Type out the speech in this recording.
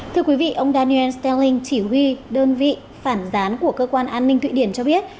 thưa quý vị ông daniel stelling chỉ huy đơn vị phản gián của cơ quan an ninh thụy điển cho biết